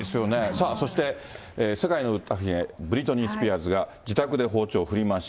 さあそして、世界の歌姫、ブリトニー・スピアーズが自宅で包丁振り回し。